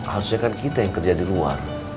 harusnya kan kita yang kerja di luar